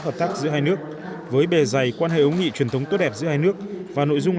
hợp tác giữa hai nước với bề dày quan hệ ống nghị truyền thống tốt đẹp giữa hai nước và nội dung